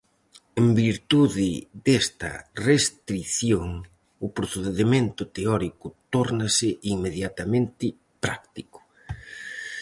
En virtude desta restrición, o procedemento teórico tórnase inmediatamente práctico.